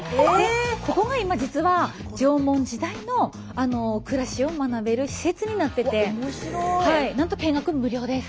ここが今実は縄文時代の暮らしを学べる施設になっててなんと見学無料です。